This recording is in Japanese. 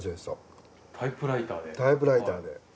タイプライターで。